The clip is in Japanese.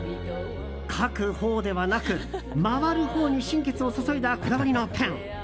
書くほうではなく回るほうに心血を注いだこだわりのペン。